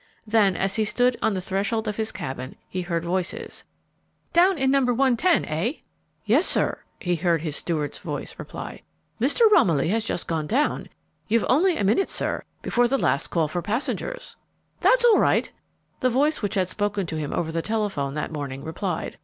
Then, as he stood on the threshold of his cabin, he heard voices. "Down in number 110, eh?" "Yes, sir," he heard his steward's voice reply. "Mr. Romilly has just gone down. You've only a minute, sir, before the last call for passengers." "That's all right," the voice which had spoken to him over the telephone that morning replied.